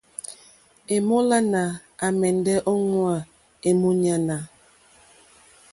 Èmólánà àmɛ́ndɛ́ ō ŋwá èmúɲánà.